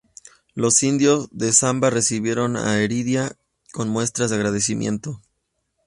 Los indios de Zamba recibieron a Heredia con muestras de agradecimiento.